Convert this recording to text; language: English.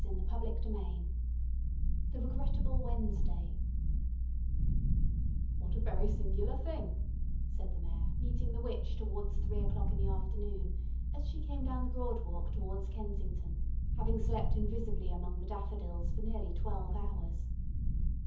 CHAPTER VIII THE REGRETTABLE WEDNESDAY "What a very singular thing," said the Mayor, meeting the witch towards three o'clock in the afternoon, as she came down the Broad Walk towards Kensington, having slept invisibly among the daffodils for nearly twelve hours.